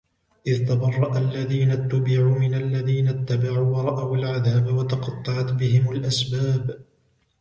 إِذْ تَبَرَّأَ الَّذِينَ اتُّبِعُوا مِنَ الَّذِينَ اتَّبَعُوا وَرَأَوُا الْعَذَابَ وَتَقَطَّعَتْ بِهِمُ الْأَسْبَابُ